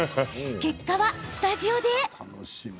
結果はスタジオで。